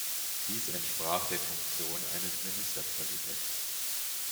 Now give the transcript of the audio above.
Dies entsprach der Funktion eines Ministerpräsidenten.